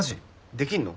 できんの？